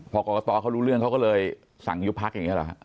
พอกรกตเขารู้เรื่องเขาก็เลยสั่งยุบพักอย่างนี้หรอฮะ